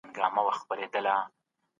ايا امن ساتل اړين دي؟